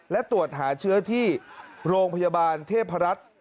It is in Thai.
และตรวจหาเชื้อที่โรงพยาบาลเทพรัฐ